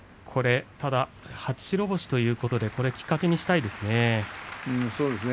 初白星ということできっかけにしたいですね。